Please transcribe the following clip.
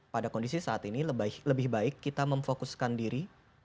pada kondisi saat ini lebih baik kita memfokuskan diri